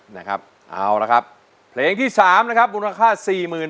โน้มแกนโน้มแกนโน้มแกน